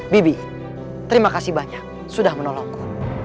bibi terima kasih banyak sudah menolongku